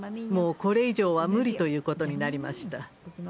もうこれ以上は無理ということになりました。